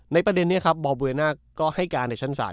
ในประเด็นนี้บอลเบเบน้าก็ให้การในชั้นศาล